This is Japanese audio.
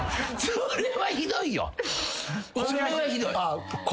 それはひどい。